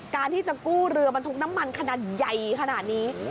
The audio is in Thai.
การที่จะกู้เรือบรรทุกน้ำมันขนาดใหญ่ขนาดนี้